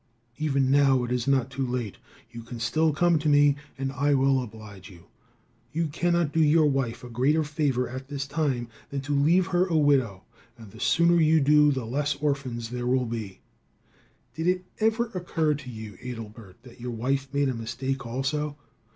Even now it is not too late. You can still come to me, and I will oblige you. You cannot do your wife a greater favor at this time than to leave her a widow, and the sooner you do so the less orphans there will be. [Illustration: "I HAVE A WONDERFUL COMMAND OF LANGUAGE."] Did it ever occur to you, Adelbert, that your wife made a mistake also?